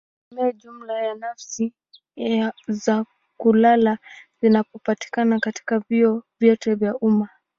hutegemea jumla ya nafasi za kulala zinazopatikana katika vyuo vyote vya umma.